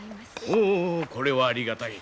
おおこれはありがたい。